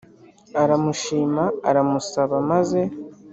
aramushima ara musaba maze